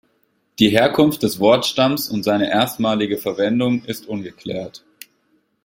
Die Herkunft des Wortstamms und seine erstmalige Verwendung ist ungeklärt.